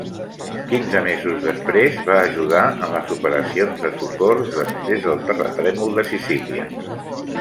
Quinze mesos després, va ajudar en les operacions de socors després del terratrèmol de Sicília.